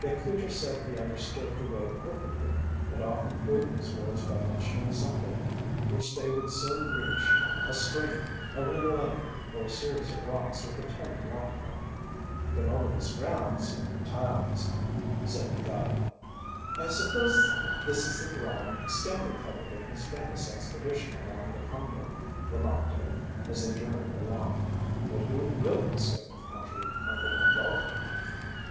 Yet Cujo said he understood the way perfectly and often proved his words by mentioning something which they would soon reach, a stream, a little lake, or a series of rocks with a tiny waterfall. "Been ober dis ground many times," said the guide. "I suppose this is the ground Stanley covered in his famous expedition along the Congo," remarked Dick, as they journeyed along. "But who really discovered the country, Uncle Randolph?"